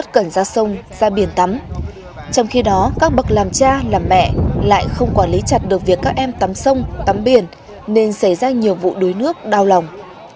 trong khi đó các bậc làm cha làm mẹ lại không quản lý chặt được việc các em tắm sông tắm biển nên xảy ra nhiều vụ đuối nước đau lòng